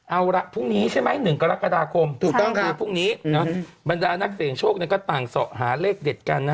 เอาละพรุ่งนี้ใช่ไหม๑กรกฎาคมบรรดานักเสริมโชคก็ต่างสอหาเลขเด็ดกัน